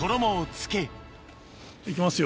行きますよ。